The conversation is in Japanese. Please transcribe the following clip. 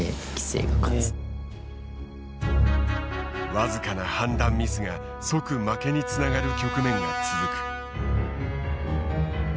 僅かな判断ミスが即負けにつながる局面が続く。